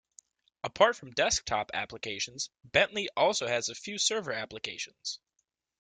Apart from desktop applications, Bentley also has a few server applications.